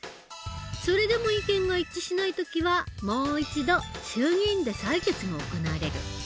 それでも意見が一致しない時はもう一度衆議院で採決が行われる。